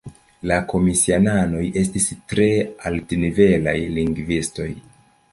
La komisionanoj estis tre altnivelaj lingvistoj.